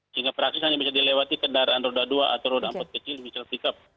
sehingga peraksesannya bisa dilewati kendaraan roda dua atau roda empat kecil misal pickup